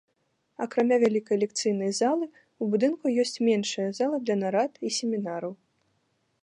Акрамя вялікай лекцыйнай залы, у будынку ёсць меншыя залы для нарад і семінараў.